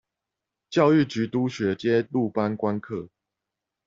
教育局督學皆入班觀課